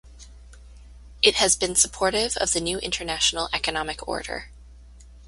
It has been supportive of the New International Economic Order.